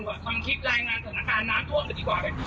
อาจารย์น้ำท่วมกันดีกว่า